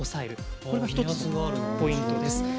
これが１つポイントです。